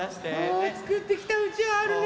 あつくってきたうちわあるね。